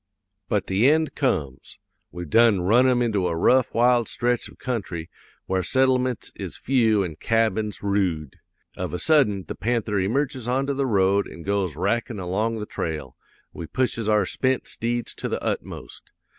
"'But the end comes. We've done run him into a rough, wild stretch of country where settlements is few an' cabins roode. Of a sudden, the panther emerges onto the road an' goes rackin' along the trail. We pushes our spent steeds to the utmost.